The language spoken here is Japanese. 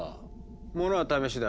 ものは試しだ。